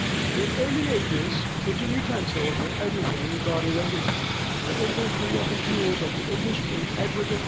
In early ages kitchen utensils were everywhere regarded as important. The inventory of the jewels of the English King Edward III.